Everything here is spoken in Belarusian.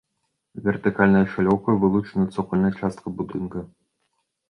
Вертыкальнай шалёўкай вылучана цокальная частка будынка.